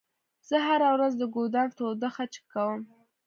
زه هره ورځ د ګودام تودوخه چک کوم.